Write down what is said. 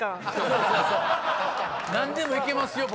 何でもいけますよ